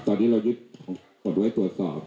ตอนนี้เรายึดก่อนไว้ตรวจสอบ